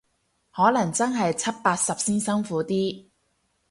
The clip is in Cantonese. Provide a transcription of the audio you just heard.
可能真係七八十先辛苦啲